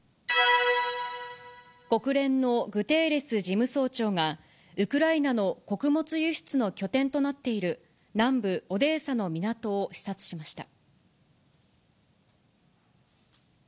国連のグテーレス事務総長が、ウクライナの穀物輸出の拠点となっている南部オデーサの港を視察しました。